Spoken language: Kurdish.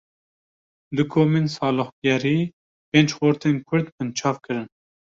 Du komên saloxgerî, pênc xortên Kurd binçav kirin